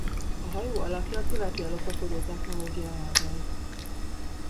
A hajó alakja követi a lopakodó technológia elveit.